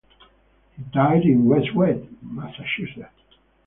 He died in Westwood, Massachusetts.